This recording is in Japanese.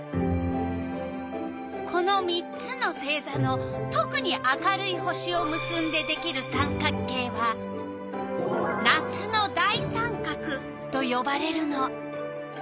この３つの星座のとくに明るい星をむすんでできる三角形は「夏の大三角」とよばれるの。